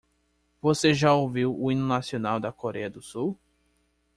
Você já ouviu o hino nacional da Coreia do Sul?